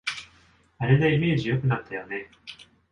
あれでイメージ良くなったよね